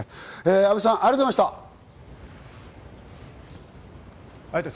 阿部さん、ありがとうございました。